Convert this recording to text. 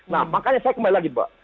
nah makanya saya kembali lagi mbak